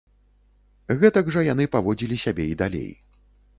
Гэтак жа яны паводзілі сябе і далей.